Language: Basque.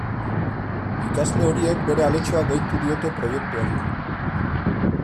Ikasle horiek bere aletxoa gehitu diote proiektuari.